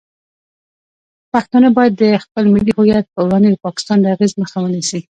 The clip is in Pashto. پښتانه باید د خپل ملي هویت په وړاندې د پاکستان د اغیز مخه ونیسي.